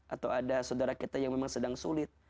atau ada saudara kita yang memang sedang sulit